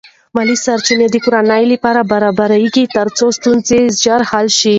مالی سرچینې د کورنۍ لپاره برابرېږي ترڅو ستونزې ژر حل شي.